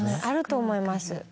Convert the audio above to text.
あると思います。